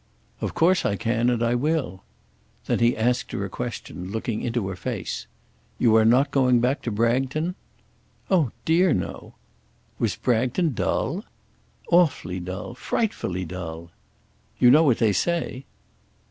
"Of course I can, and I will." Then he asked her a question looking into her face. "You are not going back to Bragton?" "Oh dear, no." "Was Bragton dull?" "Awfully dull; frightfully dull." "You know what they say?"